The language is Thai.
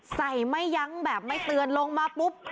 ไม่ยั้งแบบไม่เตือนลงมาปุ๊บ